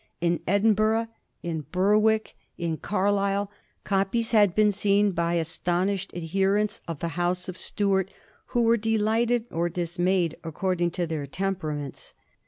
In Edinburgh, in Berwick, in Carlisle, copies had been seen by astonished adherents of the House of Stuart, who were delighted or dismayed, according to their temperaments.